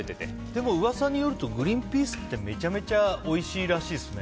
でも噂によるとグリーンピースってめちゃめちゃおいしいらしいですね。